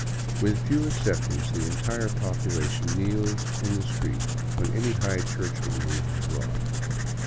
With few exceptions the entire population kneels in the street when any high churchman moves abroad.